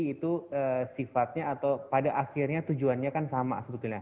itu sifatnya atau pada akhirnya tujuannya kan sama sebetulnya